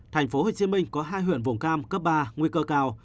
thành phố hồ chí minh có hai huyện vùng cam cấp ba nguy cơ cao